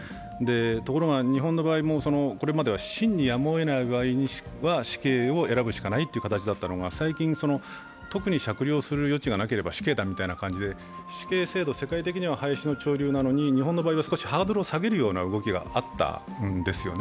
ところが日本の場合、これまでは真にやむをえない場合は死刑を選ぶしかないという形だったのが最近、特に酌量する余地がなければ死刑だと死刑制度、世界的には廃止の潮流なのに日本の場合は少しハードルを下げるような動きがあったんですよね。